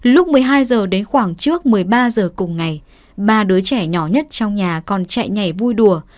lúc một mươi hai h đến khoảng trước một mươi ba h cùng ngày ba đứa trẻ nhỏ nhất trong nhà còn chạy nhảy vui đùa